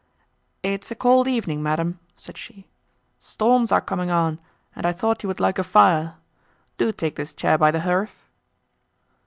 "It is a cold evening, madam," said she, "storms are coming on, and I thought you would like a fire. Do take this chair by the hearth."